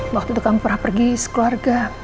waktu itu kamu pernah pergi sekeluarga